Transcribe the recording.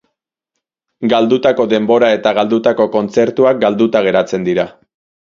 Galdutako denbora eta galdutako kontzertuak galduta geratzen dira.